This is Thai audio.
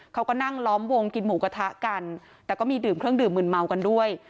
เขาก็นั่งล้อมวงกินหมูกระทะกันแต่ก็มีดื่มเครื่องดื่มมืนเมากันด้วย